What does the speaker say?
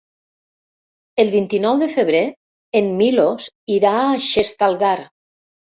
El vint-i-nou de febrer en Milos irà a Xestalgar.